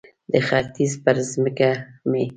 د ختیځ پر مځکه مې